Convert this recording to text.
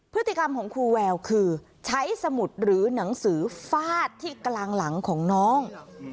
พฤติกรรมของครูแววคือใช้สมุดหรือหนังสือฟาดที่กลางหลังของน้อง